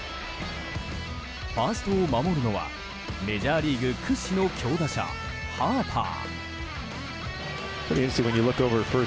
ファーストを守るのはメジャーリーグ屈指の強打者ハーパー。